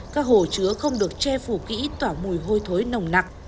các hồ chứa không được che phủ kỹ tỏ mùi hôi thối nồng nặc